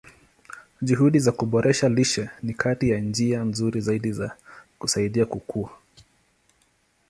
Juhudi za kuboresha lishe ni kati ya njia nzuri zaidi za kusaidia kukua.